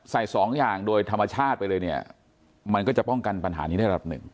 สองอย่างโดยธรรมชาติไปเลยเนี่ยมันก็จะป้องกันปัญหานี้ได้ระดับหนึ่ง